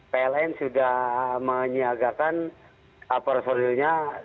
pln sudah menyiagakan personilnya